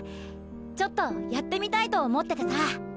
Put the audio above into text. ちょっとやってみたいと思っててさ。